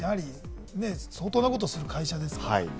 相当なことをする会社ですから。